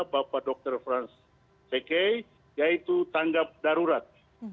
bapak dr franz ck yaitu tanggap darurat